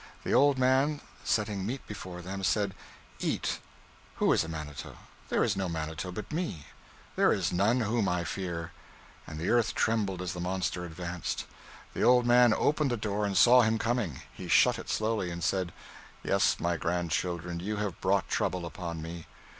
The old man, setting meat before them, said: 'Eat! who is a manito? there is no manito but me; there is none whom I fear;' and the earth trembled as the monster advanced. The old man opened the door and saw him coming. He shut it slowly, and said: 'Yes, my grandchildren, you have brought trouble upon me.'